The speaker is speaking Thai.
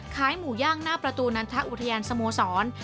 ขายหมูย่างหน้าประตูนันทอุทยานสโมสร